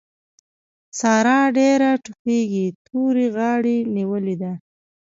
سارا ډېره ټوخېږي؛ تورې غاړې نيولې ده.